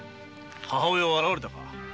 母親は現れたか？